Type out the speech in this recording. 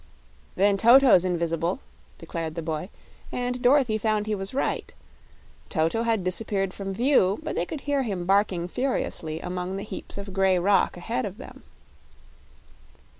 "Then Toto's invis'ble," declared the boy, and Dorothy found he was right. Toto had disappeared from view, but they could hear him barking furiously among the heaps of grey rock ahead of them.